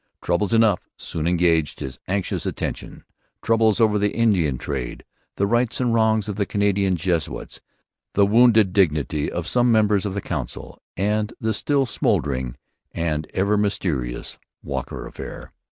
Troubles enough soon engaged his anxious attention troubles over the Indian trade, the rights and wrongs of the Canadian Jesuits, the wounded dignity of some members of the Council, and the still smouldering and ever mysterious Walker affair.